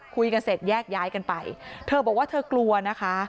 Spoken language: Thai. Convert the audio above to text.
คุยกันเสร็จแยกย้ายกันไปเธอบอกว่าเธอกลัวนะคะ